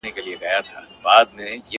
په زګېروي مي له زلمیو شپو بېلېږم.!